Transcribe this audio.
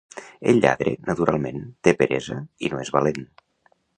El lladre, naturalment, té peresa i no és valent.